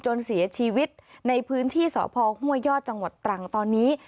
จนเสียชีวิตในพื้นที่สพห้วยยอดจังหวัดตรังตอนนี้